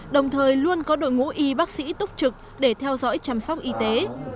đồng thời luôn có đội ngũ y bác sĩ túc trực để theo dõi chăm sóc y tế